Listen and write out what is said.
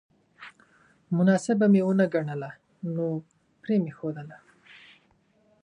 مناسبه مې ونه ګڼله نو پرې مې ښودله